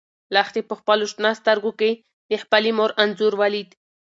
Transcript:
لښتې په خپلو شنه سترګو کې د خپلې مور انځور ولید.